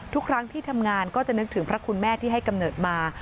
ทุกครั้งที่ทำงานก็จะนึกถึงพระคุณแม่ที่ให้กำเนิดมา